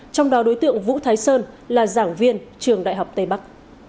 trong đó đối tượng vũ thái sơn là giảng viên trường đại học tây bắc